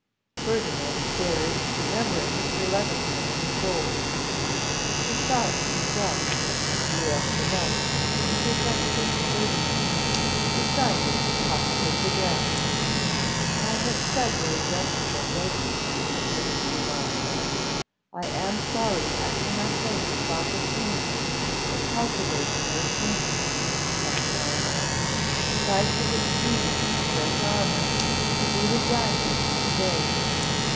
Ferdinand stared, remembering Mr. Levison and the coals. Mr. Sharpe himself drew up the note, and presented it to Ferdinand, who signed it and pocketed the draft. 'I have several gentlemen waiting,' said Mr. Bond Sharpe; 'I am sorry I cannot take this opportunity of cultivating your acquaintance, Captain Armine, but I should esteem it a great honour if you would dine with me to day.